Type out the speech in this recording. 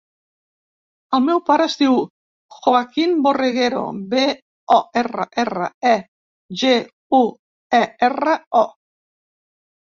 El meu pare es diu Joaquín Borreguero: be, o, erra, erra, e, ge, u, e, erra, o.